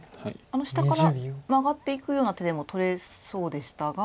下からマガっていくような手でも取れそうでしたが。